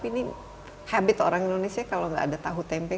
ini habit orang indonesia kalau nggak ada tahu tempe